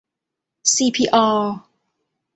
ซีพี ออลล์